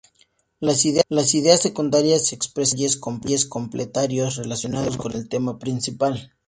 Las ideas secundarias expresan detalles complementarios relacionados con el tema principal.